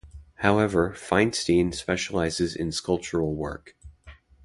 However, Feinstein specializes in sculptural work.